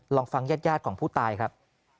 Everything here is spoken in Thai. ลองฟังญาติยาศาสตร์ของผู้ตายครับ